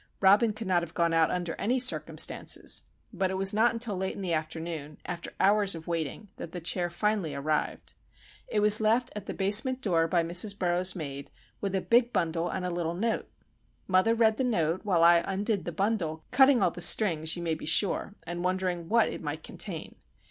Robin could not have gone out under any circumstances,—but it was not until late in the afternoon, after hours of waiting, that the chair finally arrived. It was left at the basement door by Mrs. Burroughs' maid with a big bundle and a little note. Mother read the note, while I undid the bundle, cutting all the strings, you may be sure, and wondering what it might contain.